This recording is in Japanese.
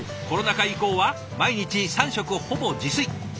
コロナ禍以降は毎日３食ほぼ自炊。